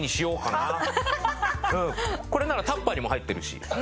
これならタッパーにも入ってるし。